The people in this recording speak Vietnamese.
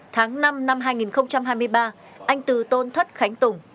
tháng năm năm hai nghìn hai mươi ba anh từ tôn thất khánh tùng